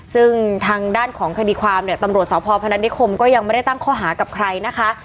ซึ่งทางด้านของคดีความเนี่ยตำรวจสพพนัทนิคมก็ยังไม่ได้ตั้งข้อหากับใครนะคะ